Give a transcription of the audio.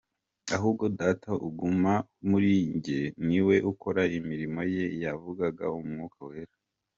ahubwo Data uguma muri jye, ni we ukora imirimo ye" yavugaga umwuka wera.